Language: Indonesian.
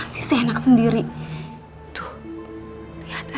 silakan ilanjut bu